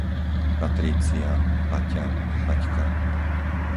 Patrícia, Paťa, Paťka